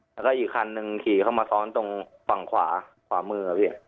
แล้วก็อีกคันหนึ่งขี่เข้ามาซ้อนตรงฝั่งขวาขวามือครับพี่